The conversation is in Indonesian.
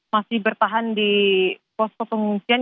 masih bertahan di posko pengungsian